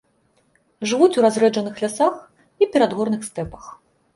Жывуць у разрэджаных лясах і перадгорных стэпах.